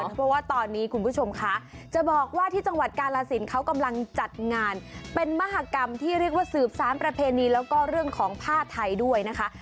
เพราะว่าตอนนี้คุณผู้ชมคะจะบอกว่าที่จังหวัดกาลสินเขากำลังจัดงานเป็นมหากรรมที่เรียกว่าสืบสารประเพณีแล้วก็เรื่องของผ้าไทยด้วยนะคะ